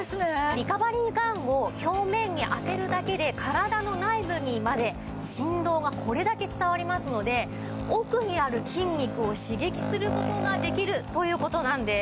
リカバリーガンを表面に当てるだけで体の内部にまで振動がこれだけ伝わりますので奥にある筋肉を刺激する事ができるという事なんです。